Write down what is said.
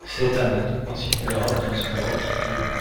C’est un atout considérable dans une Europe qui vieillit.